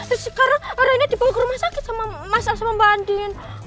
terus sekarang reyna dibawa ke rumah sakit sama mas asma mbak andien